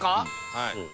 はい。